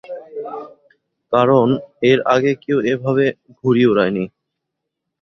কারণ, এর আগে কেউ এভাবে ঘুড়ি উড়ায়নি!